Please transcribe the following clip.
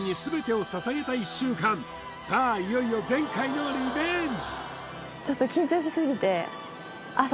いよいよ前回のリベンジ